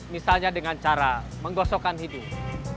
misalnya dengan cara menggosokkan hidung